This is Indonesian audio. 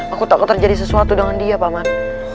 aku takut terjadi sesuatu dengan dia pak man